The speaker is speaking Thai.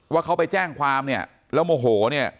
ว่าเขาไปแจ้งความเนี่ยแล้วโมโหเนี่ย